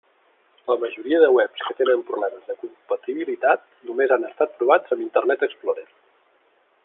La majoria de webs que tenen problemes de compatibilitat només han estat provats amb Internet Explorer.